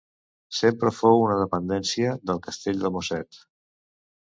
Sempre fou una dependència del Castell de Mosset.